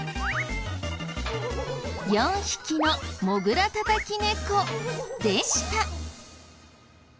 ４匹のモグラたたき猫でした。